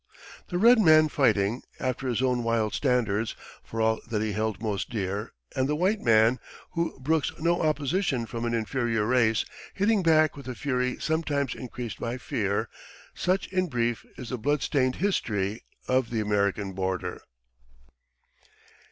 The red man fighting, after his own wild standards, for all that he held most dear, and the white man, who brooks no opposition from an inferior race, hitting back with a fury sometimes increased by fear such, in brief, is the blood stained history of the American border.